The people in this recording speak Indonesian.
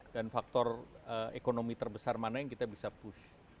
dan faktor ekonomi terbesar mana yang kita bisa push